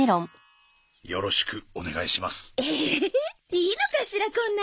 いいのかしらこんなお家で。